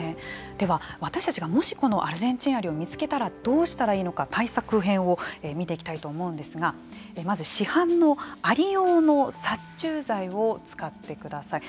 では私たちがもし、このアルゼンチンアリを見つけたらどうしたらいいのか対策編を見ていきたいと思うんですがまず市販のアリ用の殺虫剤を使ってください。